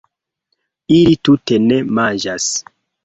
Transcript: Ili tute ne manĝas